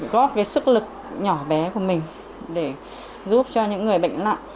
góp cái sức lực nhỏ bé của mình để giúp cho những người bệnh nặng